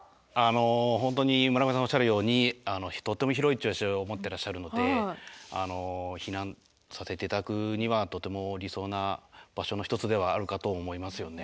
本当に村上さんおっしゃるようにとても広い駐車場を持ってらっしゃるので避難させて頂くにはとても理想な場所の一つではあるかと思いますよね。